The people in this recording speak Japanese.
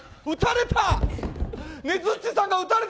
撃たれた！